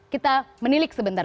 kita menilik sebentar